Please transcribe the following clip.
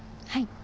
はい。